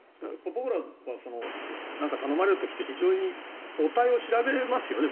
僕らは頼まれる時って非常に母体を調べますよね。